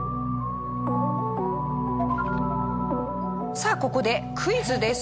さあここでクイズです。